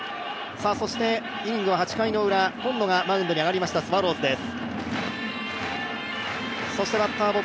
そしてイニング、８回ウラ、今野がマウンドに上がりましたスワローズです。